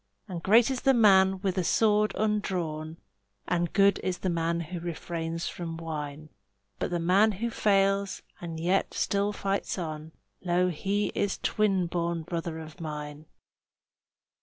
And great is the man with a sword undrawn, And good is the man who refrains from wine; But the man who fails and yet still fights on, Lo, he is the twin born brother of mine.